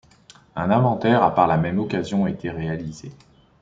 Un inventaire a par la même occasion été réalisé.